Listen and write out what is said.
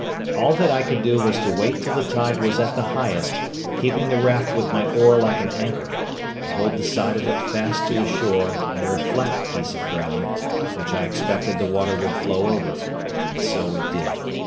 All that I could do was to wait till the tide was at the highest, keeping the raft with my oar like an anchor, to hold the side of it fast to the shore, near a flat piece of ground, which I expected the water would flow over; and so it did.